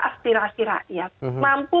aspirasi rakyat mampu